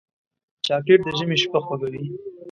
چاکلېټ د ژمي شپه خوږوي.